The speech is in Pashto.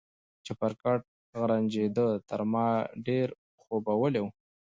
چپرکټ غرنجېده، تر ما ډېر خوبولی و.